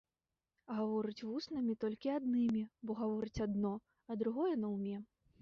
Гаворыць вуснамі толькі аднымі, бо гаворыць адно, а другое наўме.